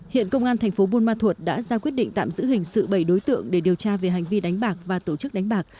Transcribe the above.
hiện công an thành phố buôn ma thuột đã ra quyết định tạm giữ hình sự bảy đối tượng để điều tra về hành vi đánh bạc và tổ chức đánh bạc